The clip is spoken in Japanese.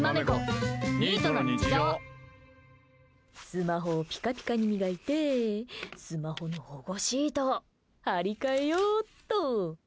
スマホをピカピカに磨いてスマホの保護シート貼り替えようっと。